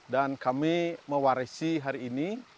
kami mewarisi hari ini